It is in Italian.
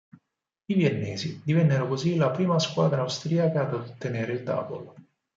I viennesi divennero così la prima squadra austriaca ad ottenere il "double".